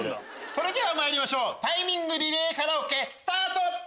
それではまいりましょうタイミングリレーカラオケスタート！